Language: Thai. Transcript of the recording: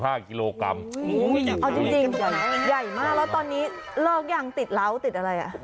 เอาจริงจริงใหญ่มากแล้วตอนนี้เลิกยังติดเหล้าติดอะไรอ่ะ